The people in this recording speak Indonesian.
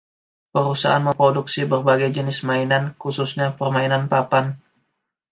Perusahaan memproduksi berbagai jenis mainan, khususnya permainan papan.